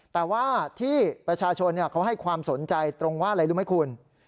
แต่ว่าที่ประชาชนเขาให้ความสนใจตรงว่าอะไรรู้ไหมคุณ